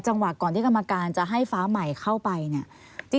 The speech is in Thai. ก่อนที่กรรมการจะให้ฟ้าใหม่เข้าไปเนี่ย